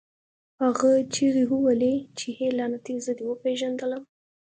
هغه چیغې وهلې چې اې لعنتي زه دې وپېژندلم